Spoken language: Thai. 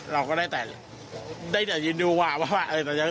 เราก็ได้แต่ยืนดูว่าว่าเราก็ต้องยังไงต่อ